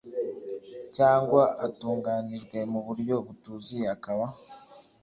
cyangwa atunganijwe mu buryo butuzuye akaba